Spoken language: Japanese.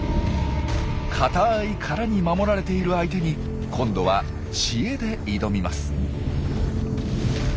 硬い殻に守られている相手に今度は知恵で挑みます。